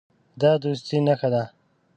دا د دوستۍ نښه ده.